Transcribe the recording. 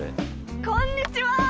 こんにちはー！